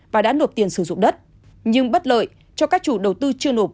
và đã nộp tiền sử dụng đất nhưng bất lợi cho các chủ đầu tư chưa nộp